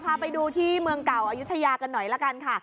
พาไปดูที่เมืองเก่าอายุทยากันหน่อยละกันค่ะ